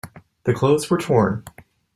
The clothes were torn.